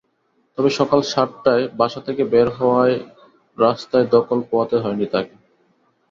তবে সকাল সাতটায় বাসা থেকে বের হওয়ায় রাস্তায় ধকল পোহাতে হয়নি তাঁকে।